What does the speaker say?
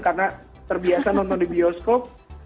karena terbiasa nonton di bioskop